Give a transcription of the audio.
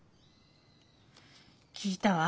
聞いたわ。